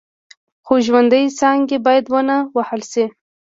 خو ژوندۍ څانګې باید ونه وهل شي.